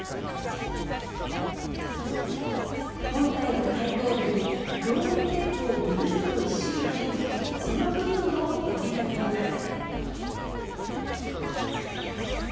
本体の開口部に両面テープをぐるりと一周貼りその部分を折り畳みます。